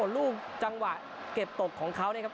ลูกจังหวะเก็บตกของเขานะครับ